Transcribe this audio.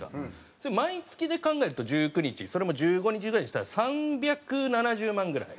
それ毎月で考えると１９日それも１５日ぐらいにしたら３７０万ぐらい。